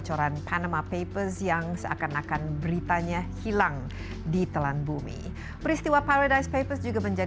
terima kasih banyak pak hestu atas insightnya